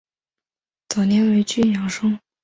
早年为郡庠生。